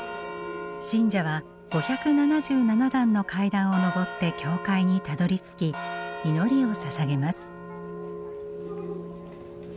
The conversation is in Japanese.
信者は５７７段の階段を上って教会にたどりつき祈りをささげます。